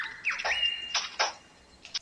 o ادم خان دي په نظر گوروان درځي.